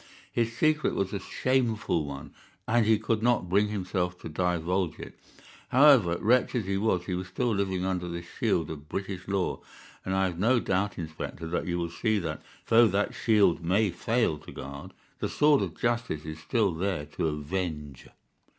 His secret was a shameful one, and he could not bring himself to divulge it. However, wretch as he was, he was still living under the shield of British law, and I have no doubt, Inspector, that you will see that, though that shield may fail to guard, the sword of justice is still there to avenge."